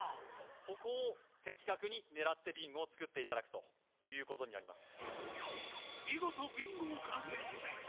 ここを的確に狙ってビンゴを作っていただくということになります